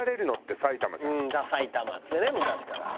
うん「ダ埼玉」っつってね昔から。